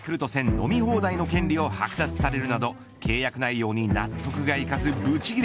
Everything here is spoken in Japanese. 飲み放題の権利をはく奪されるなど契約内容に納得がいかずブチギレ。